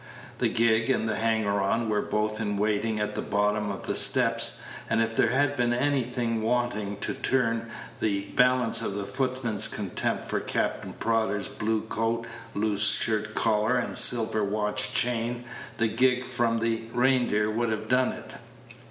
The gig and the hanger on were both in waiting at the bottom of the steps; and if there had been anything wanting to turn the balance of the footman's contempt for Captain Prodder's blue coat, loose shirt collar, and silver watch chain, the gig from the "Reindeer" would have done it.